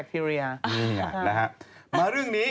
ค่ะมาเรื่องนี้